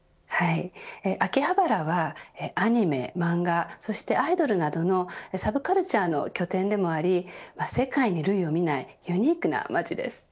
秋葉原はアニメ、漫画そしてアイドルなどのサブカルチャーの拠点でもあり世界に類をみないユニークな街です。